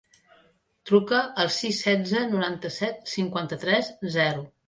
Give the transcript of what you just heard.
Truca al sis, setze, noranta-set, cinquanta-tres, zero.